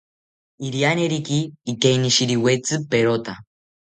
Irianeriki ikeinishiriwetzi perota